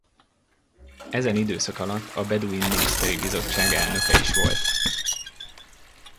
Ezen időszak alatt a Beduin miniszteri bizottság elnöke is volt.